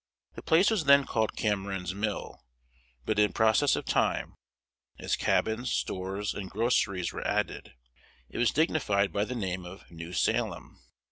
The place was then called Cameron's Mill; but in process of time, as cabins, stores, and groceries were added, it was dignified by the name of New Salem.